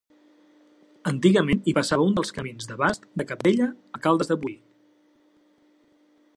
Antigament hi passava un dels camins de bast de Cabdella a Caldes de Boí.